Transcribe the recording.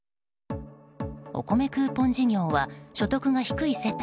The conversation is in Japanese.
おこめクーポン事業は所得が低い世帯